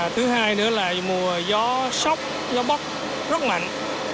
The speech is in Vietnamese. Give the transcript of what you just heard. thứ hai nữa là mùa gió sóc gió bóc rất mạnh